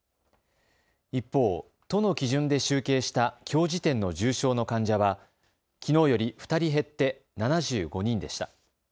一方、都の基準で集計したきょう時点の重症の患者はきのうより２人減って７５人でした。